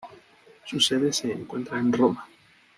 Su sede se encuentra en Roma.